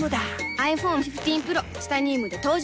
ｉＰｈｏｎｅ１５Ｐｒｏ チタニウムで登場